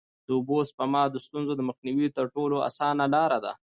د اوبو سپما د ستونزو د مخنیوي تر ټولو اسانه لاره ده.